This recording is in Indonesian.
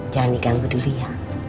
jangan diganggu dulu ya